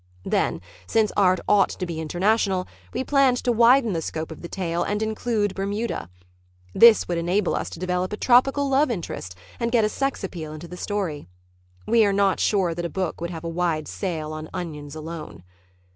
Then, since art ought to be international, we planned to widen the scope of the tale and include Bermuda. This would enable us to develop a tropical love interest and get a sex appeal into the story. We are not sure that a book would have a wide sale on onions alone.